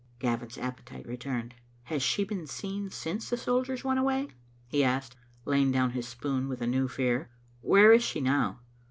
Gavin's appetite returned. " Has she been seen since the soldiers went away?" he asked, laying down his spoon with a new fear. " Where is she now?"